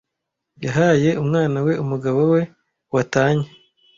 Yahaye umwana we umugabo we watanye.